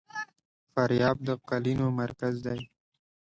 فاریاب د قالینو مرکز دی